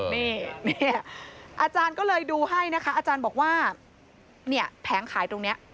นี่อาจารย์ก็เลยดูให้นะคะอาจารย์บอกว่าเนี่ยแผงขายตรงนี้